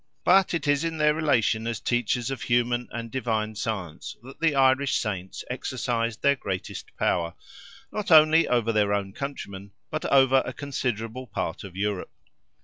But it is in their relation as teachers of human and divine science that the Irish Saints exercised their greatest power, not only over their own countrymen, but over a considerable part of Europe.